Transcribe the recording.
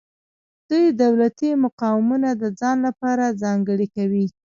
دوی دولتي مقامونه د ځان لپاره ځانګړي کوي.